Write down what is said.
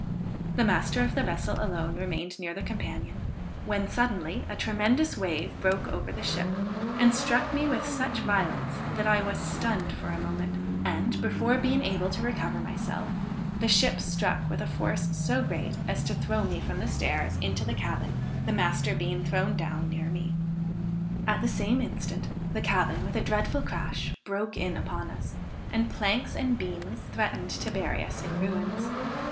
The master of the vessel alone remained near the companion; when suddenly a tremendous wave broke over the ship, and struck me with such violence, that I was stunned for a moment, and, before being able to recover myself, the ship struck with a force so great as to throw me from the stairs into the cabin, the master being thrown down near me. At the same instant, the cabin, with a dreadful crash, broke in upon us, and planks and beams threatened to bury us in ruins.